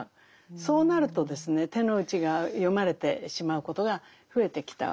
そうなると手の内が読まれてしまうことが増えてきたわけですね。